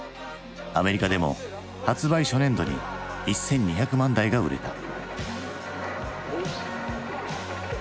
アメリカでも発売初年度に１，２００万台が売れた。